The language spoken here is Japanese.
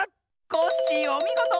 コッシーおみごと！